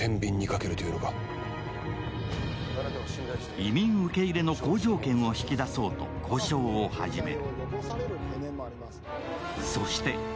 移民受け入れの好条件を引き出そうと交渉を始める。